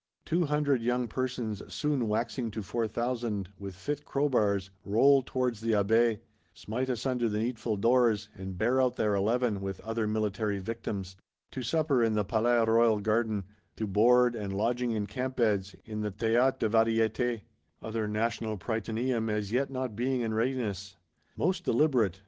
"Two hundred young persons, soon waxing to four thousand," with fit crowbars, roll towards the Abbaye; smite asunder the needful doors; and bear out their Eleven, with other military victims:—to supper in the Palais Royal Garden; to board, and lodging "in campbeds, in the Théâtre des Variétés;" other national Prytaneum as yet not being in readiness. Most deliberate!